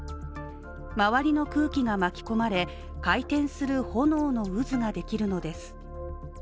周りの空気が巻き込まれ、回転する炎の渦ができるのです。